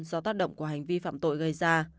do tác động của hành vi phạm tội gây ra